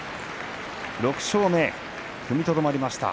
６勝目、踏みとどまりました。